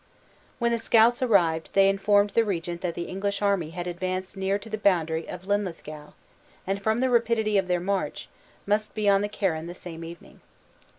When the scouts arrived, they informed the regent that the English army had advanced near to the boundary of Linlithgow, and from the rapidity of their march, must be on the Carron the same evening.